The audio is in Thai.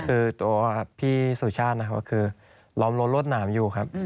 คือตัวพี่สุชาตินะครับก็คือล้อมรถรวดหนามอยู่ครับ